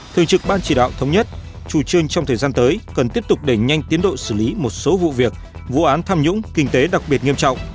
thường trực ban chỉ đạo thống nhất chủ trương trong thời gian tới cần tiếp tục đẩy nhanh tiến độ xử lý một số vụ việc vụ án tham nhũng kinh tế đặc biệt nghiêm trọng